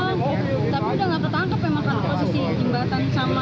tapi udah gak tertangkap emang karena posisi jembatan sama air